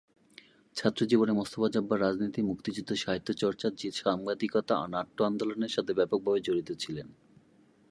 ছাত্রজীবনে মোস্তাফা জব্বার রাজনীতি, মুক্তিযুদ্ধ, সাহিত্য চর্চা, সাংবাদিকতা, নাট্য আন্দোলনের সাথে ব্যাপকভাবে জড়িত ছিলেন।